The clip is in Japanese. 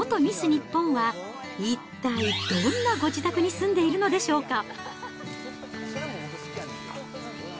日本は、一体どんなご自宅に住んでいるのでしょうか。